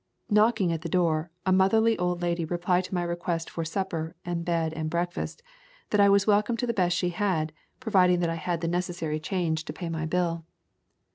Knocking at the door, a motherly old lady replied to my request for supper and bed and breakfast, that I was welcome to the best she had, provided that I had the necessary [ 20 ] The Cumberland Mountains change to pay my bill.